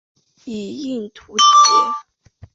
以应图谶。